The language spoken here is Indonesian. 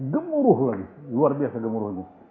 gemuruh lagi luar biasa gemuruhnya